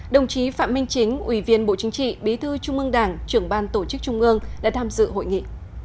đồng chí phạm minh chính ủy viên bộ chính trị bí thư trung ương đảng trưởng ban tổ chức trung ương đã tham dự hội nghị